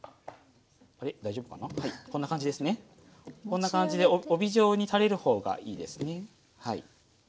こんな感じで帯状に垂れる方がいいですねはい。